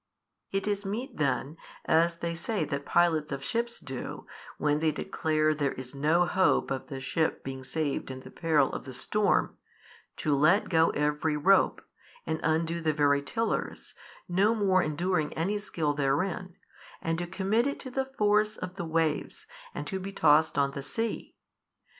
it is meet then, as they say that pilots of ships do, when they declare there is no hope of the ship being saved in the peril of the storm, to let go every rope, and undo the very tillers, no more enduring any skill therein, and to commit it to the force of the waves and to be tossed on the sea.